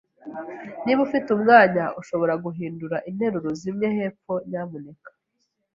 Niba ufite umwanya, ushobora guhindura interuro zimwe hepfo, nyamuneka?